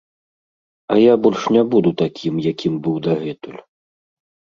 А я больш не буду такiм, якiм быў дагэтуль...